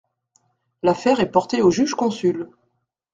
L'affaire est portée aux juges consuls.